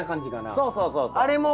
そうそうそうそうそう。